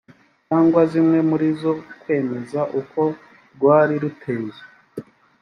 cyangwa zimwe muri zo kwemeza uko rwari ruteye